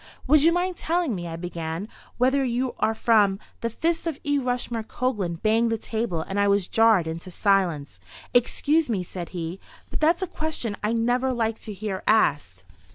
"Would you mind telling me," I began, "whether you are from—" The fist of E. Rushmore Coglan banged the table and I was jarred into silence. "Excuse me," said he, "but that's a question I never like to hear asked.